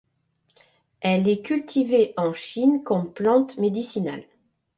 Elle est cultivée en Chine comme plante médicinale.